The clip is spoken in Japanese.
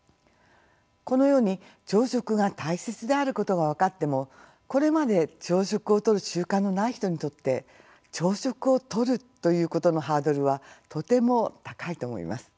このように朝食が大切であることが分かってもこれまで朝食をとる習慣のない人にとって朝食をとるということのハードルはとても高いと思います。